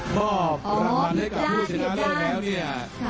ก็รางวัลให้กับผู้ชนะเลิศแล้วเนี่ย